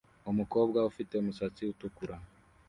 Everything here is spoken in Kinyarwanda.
Umukobwa ufite umusatsi utukura